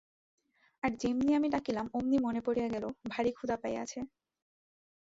আর যেমনি আমি ডাকিলাম অমনি মনে পড়িয়া গেল, ভারি ক্ষুধা পাইয়াছে।